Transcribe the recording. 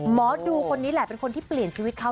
หมอดูคนนี้แหละเป็นคนที่เปลี่ยนชีวิตเขา